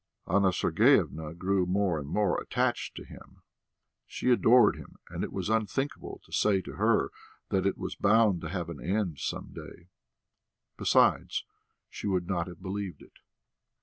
Anna Sergeyevna grew more and more attached to him. She adored him, and it was unthinkable to say to her that it was bound to have an end some day; besides, she would not have believed it!